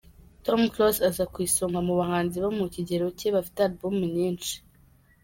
Tom Close aza ku isonga mu bahanzi bo mu kigero cye bafite album nyinshi.